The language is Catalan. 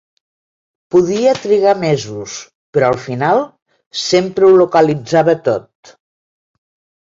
Podia trigar mesos, però al final sempre ho localitzava tot.